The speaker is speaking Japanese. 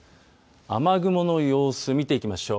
雨雲の様子、見ていきましょう。